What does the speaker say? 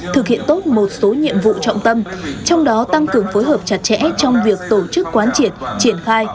thực hiện tốt một số nhiệm vụ trọng tâm trong đó tăng cường phối hợp chặt chẽ trong việc tổ chức quán triệt triển khai